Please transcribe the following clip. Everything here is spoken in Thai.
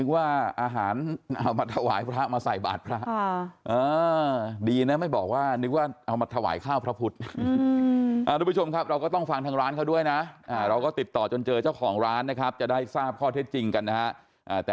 ว่าร้านเขาโดนหักจากแอบค่อนข้างเยอะ